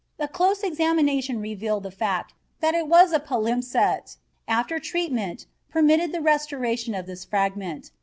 A close examination revealed the fact that it was a palimpsest which, after treatment, permitted the restoration of this fragment.